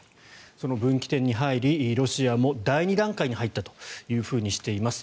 その分岐点に入りロシアも第２段階に入ったとしています。